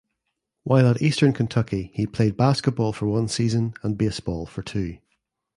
While at Eastern Kentucky he played basketball for one season and baseball for two.